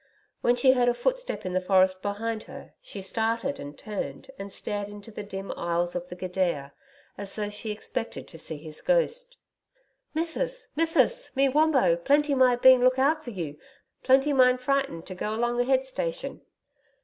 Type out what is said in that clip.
When she heard a footstep in the forest behind her, she started and turned and stared into the dim aisles of the gidia, as though she expected to see his ghost. 'Mithsis mithsis me Wombo plenty my been look out for you. Plenty mine frightened to go along a head station.'